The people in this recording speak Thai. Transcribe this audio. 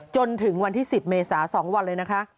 จนถึงวันที่๑๐เมษา๒วันเลยนะคะ